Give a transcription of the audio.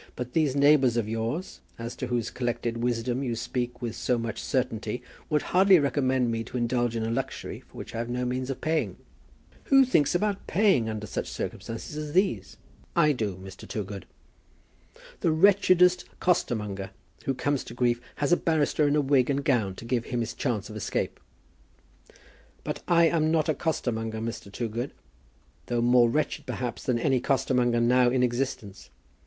But these neighbours of yours, as to whose collected wisdom you speak with so much certainty, would hardly recommend me to indulge in a luxury for which I have no means of paying." "Who thinks about paying under such circumstances as these?" "I do, Mr. Toogood." "The wretchedest costermonger that comes to grief has a barrister in a wig and gown to give him his chance of escape." "But I am not a costermonger, Mr. Toogood, though more wretched perhaps than any costermonger now in existence.